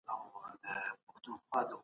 په خپل عقل او په پوهه